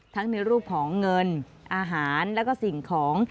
ในรูปของเงินอาหารแล้วก็สิ่งของ